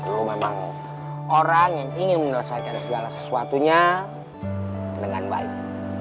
aku memang orang yang ingin menyelesaikan segala sesuatunya dengan baik